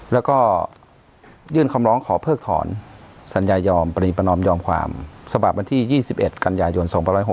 แล้วก็ยื่นคำร้องขอเพิกถอนสัญญายอมปรีประนอมยอมความฉบับวันที่๒๑กันยายน๒๖๖